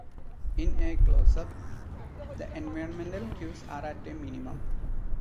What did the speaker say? In a close up, the environmental cues are at a minimum.